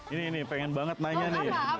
ini nih pengen banget nanya nih